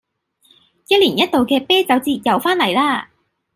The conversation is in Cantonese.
一年一度嘅啤酒節又返嚟喇